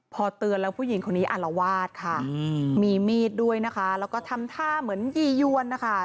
พอเตือนแล้วผู้หญิงคนนี้อารวาสค่ะมีมีดด้วยนะคะแล้วก็ทำท่าเหมือนยียวนนะคะ